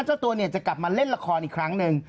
เจ้าตัวจะกลับมาเล่นละครอีกครั้งนึง